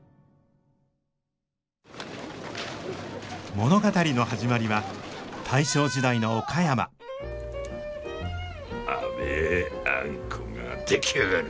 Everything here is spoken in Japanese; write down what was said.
物語の始まりは大正時代の岡山甘えあんこが出来上がる。